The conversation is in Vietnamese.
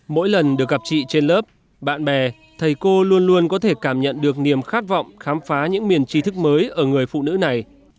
mỗi lần được gặp chị trên lớp bạn bè thầy cô luôn luôn có thể cảm nhận được niềm khát vọng khám phá những miền trí thức mới ở người phụ nữ này